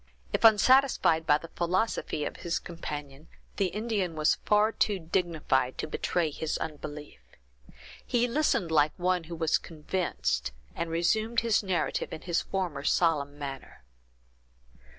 If unsatisfied by the philosophy of his companion, the Indian was far too dignified to betray his unbelief. He listened like one who was convinced, and resumed his narrative in his former solemn manner.